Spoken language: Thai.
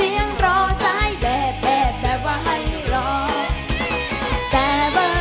นี้เป็นรายการทั่วไปสามารถรับชมได้ทุกวัย